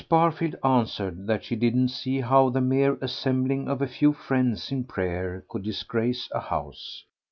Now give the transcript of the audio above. Barfield answered that she didn't see how the mere assembling of a few friends in prayer could disgrace a house.